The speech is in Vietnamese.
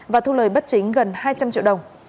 và thu lời bất chính gần hai trăm linh triệu đồng